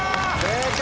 正解！